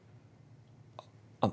あっあっ